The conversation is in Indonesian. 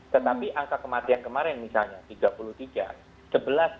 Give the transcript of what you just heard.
tetapi angka kematian kemarin misalnya tiga puluh tiga